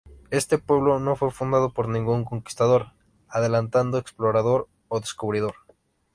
Este pueblo no fue fundado por ningún conquistador, adelantado, explorador o descubridor.